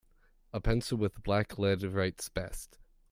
A pencil with black lead writes best.